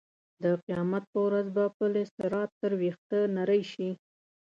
د قیامت په ورځ به پل صراط تر وېښته نرۍ شي.